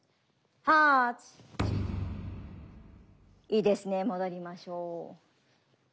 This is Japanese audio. いいですね戻りましょう。